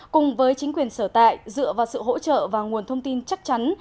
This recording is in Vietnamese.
cùng với chính quyền sở tại dựa vào sự hỗ trợ và nguồn thông tin chắc chắn